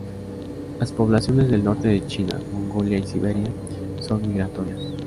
Las poblaciones del norte de China, Mongolia y Siberia son migratorias.